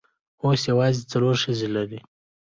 اوس یوازې څلور ښځې لري.